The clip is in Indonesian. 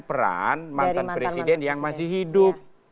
peran mantan presiden yang masih hidup